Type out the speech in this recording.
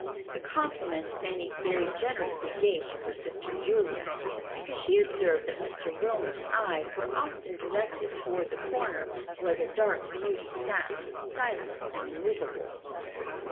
The compliment Fanny very generously gave to her sister Julia, because she observed that Mr. Wilmot's eyes were often directed toward the corner where the dark beauty sat, silent and immovable.